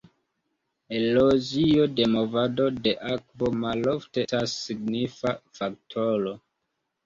Erozio de movado de akvo malofte estas signifa faktoro.